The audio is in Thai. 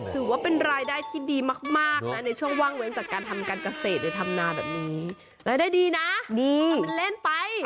ถือว่าเป็นรายได้ที่ดีมากนะในช่วงว่างเว้นจากการทำการเกษตรหรือทำนาแบบนี้รายได้ดีนะดีมันเล่นไป